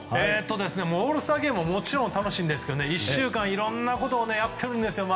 オールスターゲームももちろん楽しいんですけど１週間、いろんなことを周りでやってるんですよ。